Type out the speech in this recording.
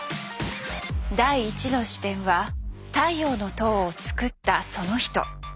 第１の視点は「太陽の塔」を作ったその人。